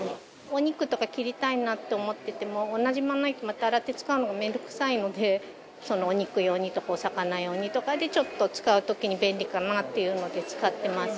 お肉とか切りたいなって思ってても同じまな板また洗って使うのが面倒くさいのでお肉用にとかお魚用にとかでちょっと使う時に便利かなっていうので使ってます。